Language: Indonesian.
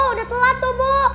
udah telat tuh bu